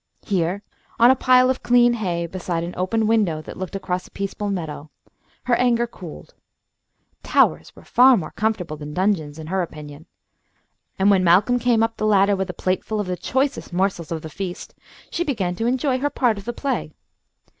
Here on a pile of clean hay, beside an open window that looked across a peaceful meadow, her anger cooled. Towers were far more comfortable than dungeons, in her opinion, and when Malcolm came up the ladder with a plateful of the choicest morsels of the feast, she began to enjoy her part of the play.